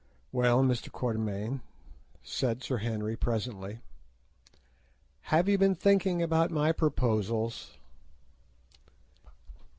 "Well, Mr. Quatermain," said Sir Henry presently, "have you been thinking about my proposals?"